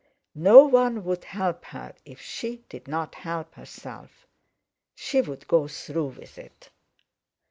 No one would help her if she did not help herself! She would go through with it.